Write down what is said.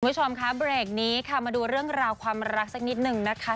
คุณผู้ชมค่ะเบรกนี้ค่ะมาดูเรื่องราวความรักสักนิดนึงนะคะ